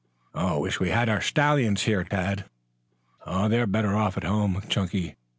"Wish we had our stallions here, Tad." "They're better off at home, Chunky.